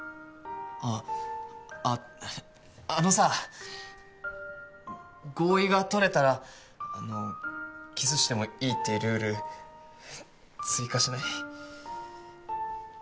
あっあのさ合意が取れたらキスしてもいいっていうルール追加しない？